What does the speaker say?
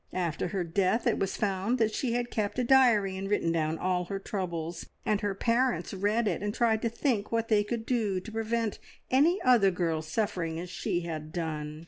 After her death it was found that she had kept a diary, and written down all her troubles; and her parents read it, and tried to think what they could do to prevent any other girl suffering as she had done.